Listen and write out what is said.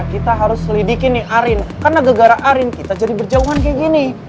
kita harus selidiki nih arin karena gegara arin kita jadi berjauhan kayak gini